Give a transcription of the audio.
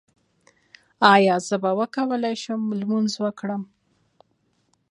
ایا زه به وکولی شم لمونځ وکړم؟